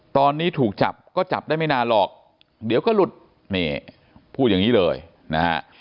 ตอนนี้ถูกจับก็จับได้ไม่นานหรอกเดี๋ยวก็หลุดนี่พูดอย่างนี้เลยนะฮะ